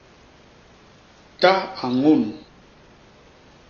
Ta a ñun.